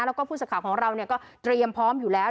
แล้วก็ผู้สื่อข่าวของเราก็เตรียมพร้อมอยู่แล้ว